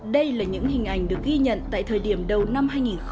đây là những hình ảnh được ghi nhận tại thời điểm đầu năm hai nghìn một mươi bốn